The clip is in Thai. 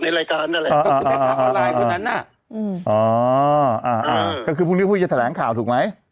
อ่าก็คือพวกนี้พูดว่าจะแสดงถ์ข่าวถูกไหม